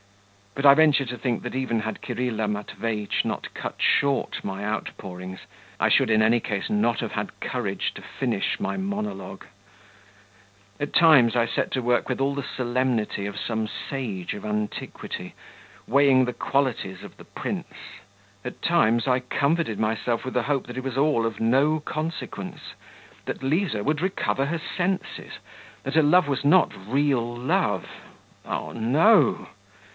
But I venture to think that even had Kirilla Matveitch not cut short my outpourings, I should in any case not have had courage to finish my monologue. At times I set to work with all the solemnity of some sage of antiquity, weighing the qualities of the prince; at times I comforted myself with the hope that it was all of no consequence, that Liza would recover her senses, that her love was not real love ... oh, no!